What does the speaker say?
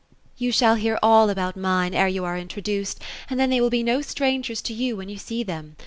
<* Tou shall hear all about mine, ere you are introduced ; and then they will be no strangers to you when you see them.